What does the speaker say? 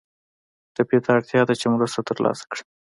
ټپي ته اړتیا ده چې مرسته تر لاسه کړي.